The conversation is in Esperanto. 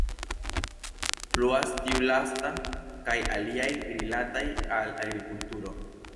Pluas tiu lasta kaj aliaj rilataj al agrikulturo.